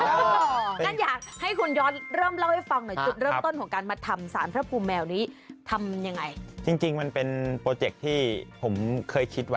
อยากให้คุณยอดเริ่มเล่าให้ฟังหน่อยจุดเริ่มต้นของการมาทำสารพระภูมิแมวนี้ทำยังไง